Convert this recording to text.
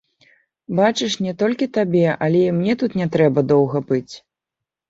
Бачыш, не толькі табе, але і мне тут не трэба доўга быць.